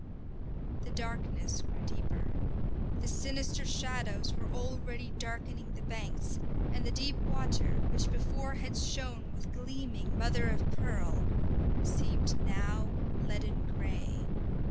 The darkness grew deeper The sinister shadows were already darkening the banks, and the deep water, which before had shone with gleaming mother of pearl, seemed now leaden grey.